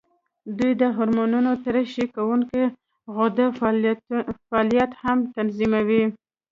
دوی د هورمونونو د ترشح کوونکو غدو فعالیت هم تنظیموي.